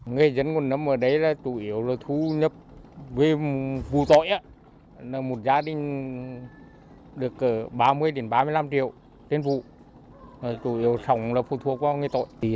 người dân quần ấm ở đây là chủ yếu là thu nhập về vụ tội nói chung là một gia đình được ba mươi ba mươi năm triệu lên vụ chủ yếu là thu thua qua người tội